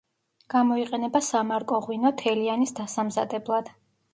გამოიყენება სამარკო ღვინო თელიანის დასამზადებლად.